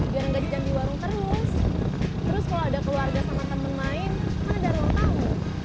biar nggak di jambi warung terus terus kalau ada keluarga sama temen main kan ada ruang tamu